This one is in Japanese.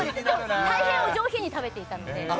大変お上品に食べていたので。